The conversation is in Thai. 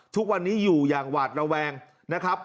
ทุกวันนี้อยู่อย่างหวาดระแวงนะครับ